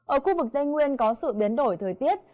ở khu vực tây nguyên có sự biến đổi thời tiết